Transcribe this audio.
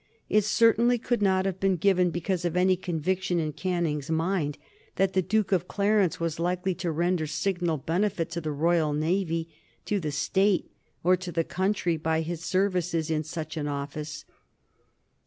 It certainly could not have been given because of any conviction in Canning's mind that the Duke of Clarence was likely to render signal benefit to the royal navy, to the State, or to the country by his services in such an office.